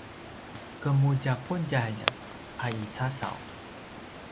qemudjaqudjalj a i casaw